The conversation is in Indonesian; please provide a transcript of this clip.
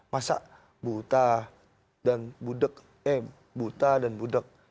masa buta dan budeg eh buta dan budeg